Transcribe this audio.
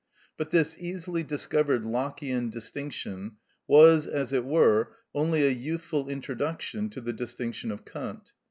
But this easily discovered Lockeian distinction was, as it were, only a youthful introduction to the distinction of Kant.